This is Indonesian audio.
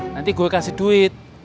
nanti gue kasih duit